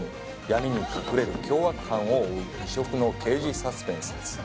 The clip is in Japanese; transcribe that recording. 闇に隠れる凶悪犯を追う異色の刑事サスペンスです